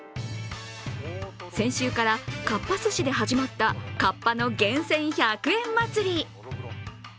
先週からかっぱ寿司で始まったかっぱの厳選１００円祭り。